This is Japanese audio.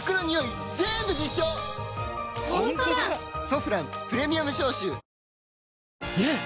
「ソフランプレミアム消臭」ねえ‼